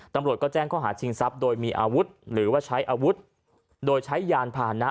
ตำรวจก็แจ้งข้อหาชิงทรัพย์โดยมีอาวุธหรือว่าใช้อาวุธโดยใช้ยานพานะ